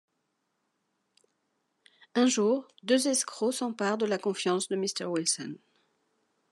Un jour, deux escrocs s'emparent de la confiance de Mr Wilson.